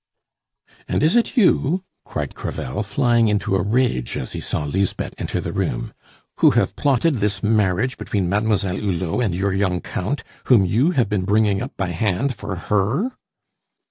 "And is it you?" cried Crevel, flying into a rage as he saw Lisbeth enter the room, "who have plotted this marriage between Mademoiselle Hulot and your young Count, whom you have been bringing up by hand for her?"